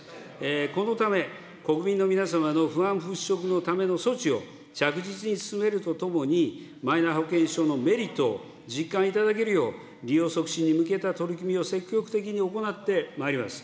このため、国民の皆様の不安払拭のための措置を着実に進めるとともに、マイナ保険証のメリットを実感いただけるよう、利用促進に向けた取り組みを積極的に行ってまいります。